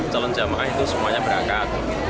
calon jemaah itu semuanya berangkat